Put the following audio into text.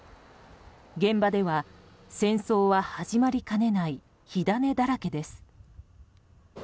現場では戦争は始まりかねない火種だらけです。